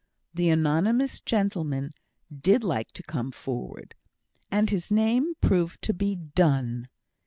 The anonymous gentleman did like to come forward, and his name proved to be Donne.